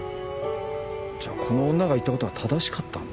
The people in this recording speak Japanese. じゃあこの女が言ったことは正しかったんだ。